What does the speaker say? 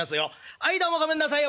はいどうもごめんなさいよ。